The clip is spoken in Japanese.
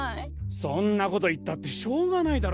そんなこと言ったってしょうがないだろ。